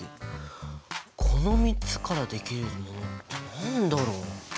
この３つからできるものって何だろう？